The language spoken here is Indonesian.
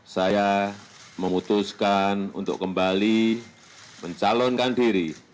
saya memutuskan untuk kembali mencalonkan diri